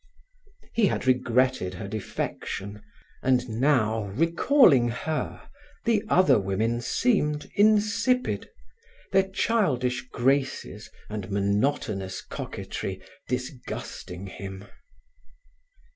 He had regretted her defection, and now, recalling her, the other women seemed insipid, their childish graces and monotonous coquetry disgusting him.